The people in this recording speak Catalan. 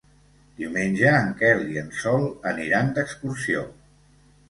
Diumenge en Quel i en Sol aniran d'excursió.